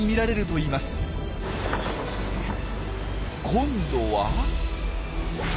今度は？